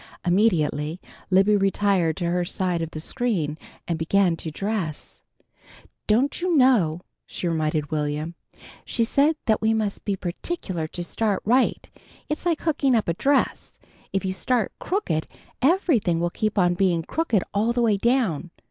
Immediately Libby retired to her side of the screen and began to dress. "Don't you know," she reminded Will'm, "she said that we must be particular to start right. It's like hooking up a dress. If you start crooked, everything will keep on being crooked all the way down.